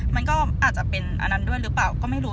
มันก็อาจจะเป็นอันนั้นด้วยหรือเปล่าก็ไม่รู้